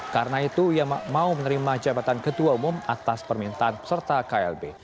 karena itu ia mau menerima jabatan ketua umum atas permintaan peserta klb